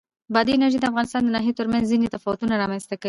بادي انرژي د افغانستان د ناحیو ترمنځ ځینې تفاوتونه رامنځ ته کوي.